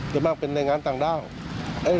เดี๋ยวมากเป็นในงานต่างด้าว